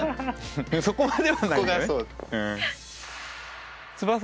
そこまではないね。